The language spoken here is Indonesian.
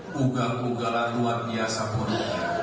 kugal kugalan luar biasa pun iya